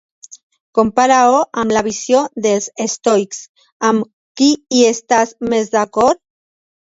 Compara-ho amb la visió dels estoics. Amb qui hi estàs més d'acord?